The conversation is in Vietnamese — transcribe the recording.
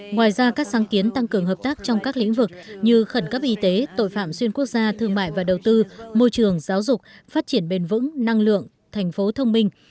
ngoài ra các sáng kiến tăng cường hợp tác trong các lĩnh vực như khẩn cấp y tế tội phạm xuyên quốc gia thương mại và đầu tư môi trường giáo dục phát triển bền vững năng lượng thành phố thông minh